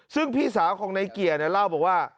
ซึ่งพี่สาวของในเกียร์เนี่ยเล่าบอกว่า